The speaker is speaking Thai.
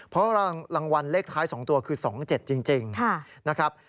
เพราะรางวัลเลขท้าย๒ตัวคือ๒๗จริงนะครับ